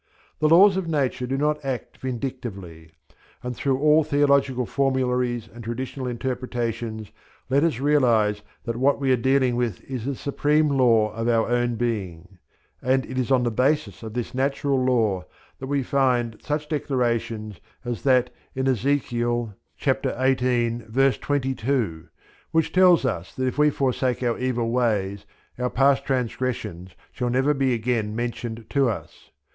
The laws of Nature do not act vindictively; and through all theological formularies and traditional interpretations let us realize that what we are dealing with is the supreme law of our own being; and it is on the basis of this natural law that we find such declarations as that in Ezek. xviii., 22, which tells that if we forsake our evil ways our past transgressions shall never again be mentioned to us.